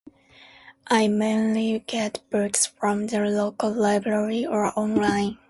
I mainly get books from the local library or online.